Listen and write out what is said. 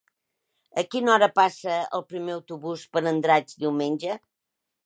A quina hora passa el primer autobús per Andratx diumenge?